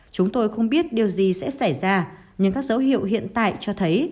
chúng tôi không biết điều gì sẽ xảy ra nhưng các dấu hiệu hiện tại cho thấy